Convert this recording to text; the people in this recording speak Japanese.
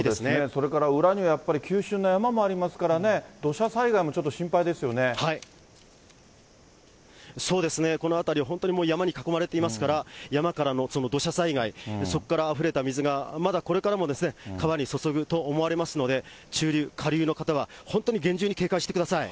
それから裏にはやっぱり、急しゅんな山もありますからね、そうですね、この辺りは本当に山に囲まれていますから、山からの土砂災害、そこからあふれた水がまだこれからも川にそそぐと思われますので、中流、下流の方は本当に厳重に警戒してください。